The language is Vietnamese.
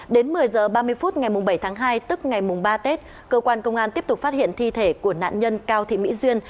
đến một mươi h ba mươi phút ngày bảy tháng hai tức ngày ba tết cơ quan công an tiếp tục phát hiện thi thể của nạn nhân cao thị mỹ duyên